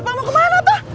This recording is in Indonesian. ih bapak mau kemana pak